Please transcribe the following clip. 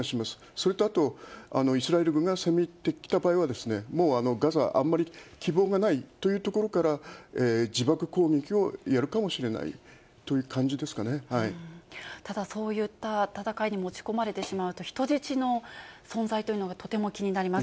それとあと、イスラエル軍が攻め入ってきた場合は、もうガザ、あんまり希望がないというところから、自爆攻撃をやるかもしれなただ、そういった戦いに持ち込まれてしまうと、人質の存在というのがとても気になります。